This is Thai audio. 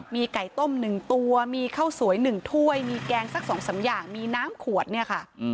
มีไก่ต้ม๑ตัวมีข้าวสวย๑ถ้วยมีแกงสัก๒๓อย่างมีน้ำขวดเนี่ยค่ะ